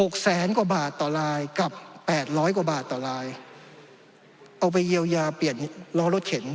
แสนกว่าบาทต่อลายกับแปดร้อยกว่าบาทต่อลายเอาไปเยียวยาเปลี่ยนล้อรถเข็น